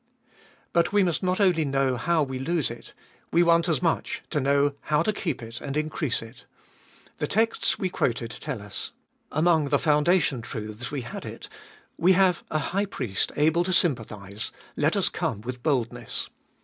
But we must not only know how we lose it ; we want as much to know how to keep and increase it. The texts we quoted tell us. Among the foundation truths we had it : We have a High Priest able to sympathise, let us come with boldness.